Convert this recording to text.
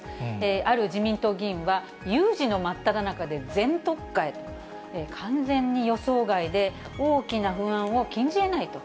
ある自民党議員は、有事の真っただ中で全とっかえ、完全に予想外で、大きな不安を禁じえないと。